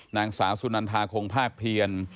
นางสาวสุนันทาคงภาคเพียร